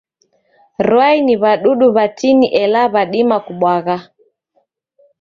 Rwai ni w'adudu w'atini ela w'adima kubwagha.